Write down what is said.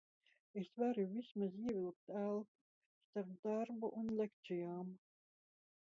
Es varu vismaz ievilkt elpu starp darbu un lekcijām.